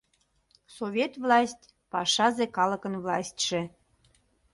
Совет власть — пашазе калыкын властьше.